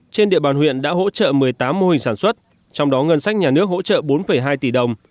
trên địa bàn huyện đã hỗ trợ một mươi tám mô hình sản xuất trong đó ngân sách nhà nước hỗ trợ bốn hai tỷ đồng